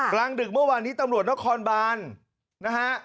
กลางดึกเมื่อวานนี้ตำรวจนครบานนะฮะ